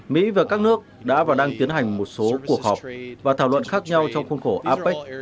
mỹ và các nước đã và đang tiến hành một số cuộc họp và thảo luận khác nhau trong khuôn khổ apec